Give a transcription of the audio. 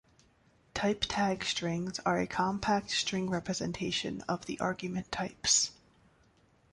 Type tag strings are a compact string representation of the argument types.